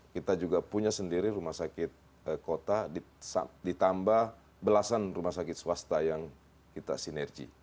kita juga punya sendiri rumah sakit kota ditambah belasan rumah sakit swasta yang kita sinergi